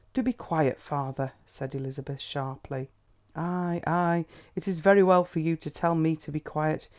"Do be quiet, father," said Elizabeth sharply. "Ay, ay, it is very well for you to tell me to be quiet.